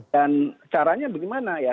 dan caranya bagaimana ya